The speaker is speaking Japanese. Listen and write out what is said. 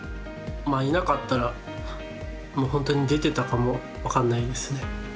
いなかったら、本当に出てたかも分かんないですね。